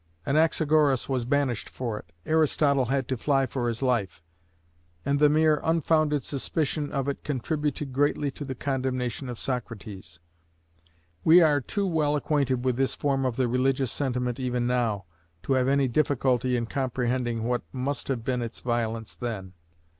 Anaxagoras was banished for it, Aristotle had to fly for his life, and the mere unfounded suspicion of it contributed greatly to the condemnation of Socrates. We are too well acquainted with this form of the religious sentiment even now, to have any difficulty in comprehending what must have been its violence then.